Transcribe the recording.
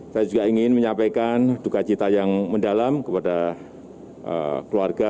saya juga ingin menyampaikan dukacita yang mendalam kepada keluarga